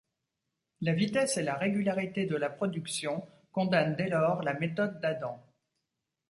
La vitesse et la régularité de la production condamnent dès lors la méthode d'Adant.